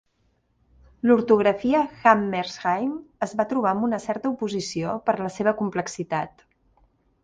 L'ortografia Hammershaimb es va trobar amb una certa oposició per la seva complexitat.